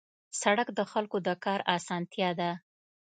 سړک د خلکو د کار اسانتیا ده.